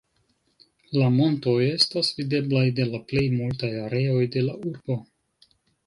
La montoj estas videblaj de la plej multaj areoj de la urbo.